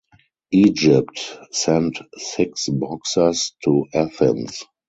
Egypt sent six boxers to Athens.